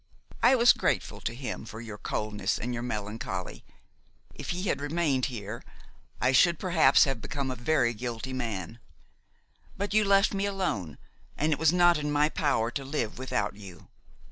I was grateful to him for your coldness and your melancholy. If he had remained here, I should perhaps have become a very guilty man; but you left me alone and it was not in my power to live without you.